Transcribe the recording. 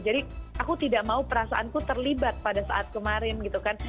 jadi aku tidak mau perasaanku terlibat pada saat kemarin gitu kan